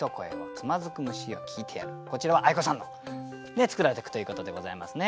こちらは相子さんの作られた句ということでございますね。